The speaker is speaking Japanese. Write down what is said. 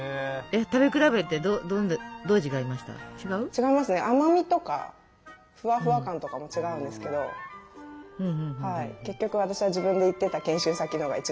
違いますね甘みとかフワフワ感とかも違うんですけど結局私は自分で行ってた研修先のが一番好きでしたね。